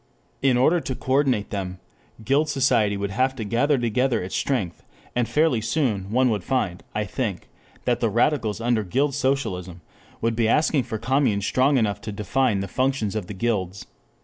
In order to "coordinate" them, guild society would have to gather together its strength, and fairly soon one would find, I think, that the radicals under guild socialism would be asking for communes strong enough to define the functions of the guilds.